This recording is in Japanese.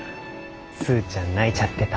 スーちゃん泣いちゃってた。